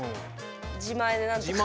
自前で何とか。